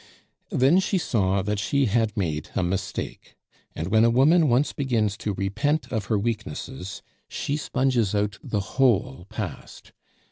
Then she saw that she had made a mistake; and when a woman once begins to repent of her weaknesses, she sponges out the whole past.